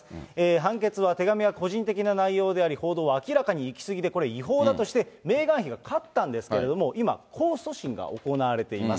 判決は手紙は個人的な内容であり、報道は明らかに行き過ぎて、違法だとして、メーガン妃が勝ったんですけれども、今、控訴審が行われています。